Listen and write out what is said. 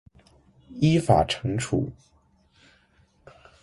依法惩处